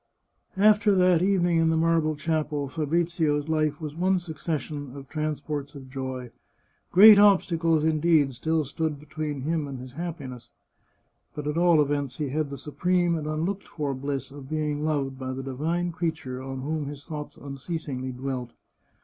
After that evening in the marble chapel, Fabrizio's life was one succession of transports of joy. Great obstacles, indeed, still stood between him and his happiness, but at all events he had the supreme and unlooked for bliss of being loved by the divine creature on whom his thoughts unceasingly dwelt.